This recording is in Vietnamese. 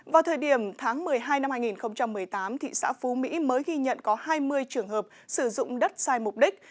vào thời điểm tháng một mươi hai năm hai nghìn một mươi tám thị xã phú mỹ mới ghi nhận có hai mươi trường hợp sử dụng đất sai mục đích